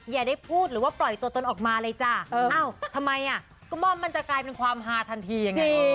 อย่าได้พูดหรือว่าปล่อยตัวตนออกมาเลยจ้ะอ้าวทำไมอ่ะกระม่อมมันจะกลายเป็นความฮาทันทีอย่างนี้